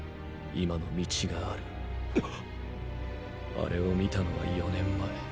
あれを見たのは４年前。